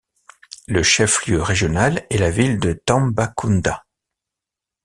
Le chef-lieu régional est la ville de Tambacounda.